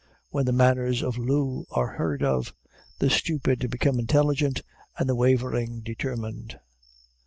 When the manners of Loo are heard of, the stupid become intelligent, and the wavering, determined."